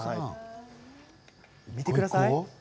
見てください。